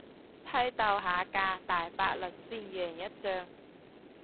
批鬥下架大法率先贏一仗